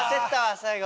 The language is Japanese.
最後。